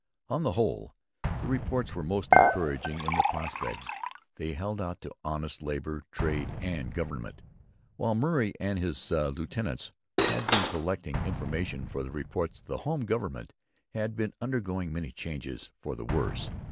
On the whole, the reports were most encouraging in the prospects they held out to honest labour, trade, and government. While Murray and his lieutenants had been collecting information for their reports the home government had been undergoing many changes for the worse.